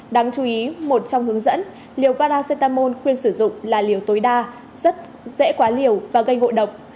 đáng chú ý một trong hướng dẫn liều paracetamol khuyên sử dụng là liều tối đa rất dễ quá liều và gây ngộ độc